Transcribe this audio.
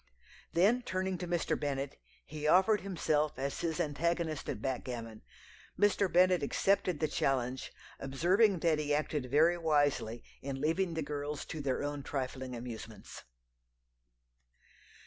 "Then turning to Mr. Bennet, he offered himself as his antagonist at backgammon. Mr. Bennet accepted the challenge, observing that he acted very wisely in leaving the girls to their own trifling amusements."